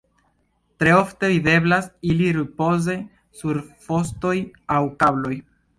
Tre ofte videblas ili ripoze sur fostoj aŭ kabloj.